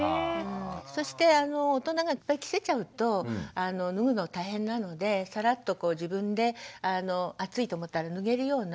そして大人がいっぱい着せちゃうと脱ぐのが大変なのでサラッと自分で暑いと思ったら脱げるような。